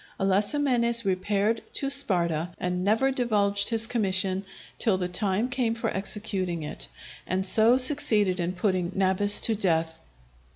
Alasamenes repaired to Sparta, and never divulged his commission till the time came for executing it; and so succeeded in putting Nabis to death.